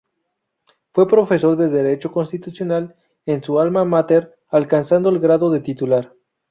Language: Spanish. Fue profesor de Derecho Constitucional en su alma mater, alcanzando el grado de Titular.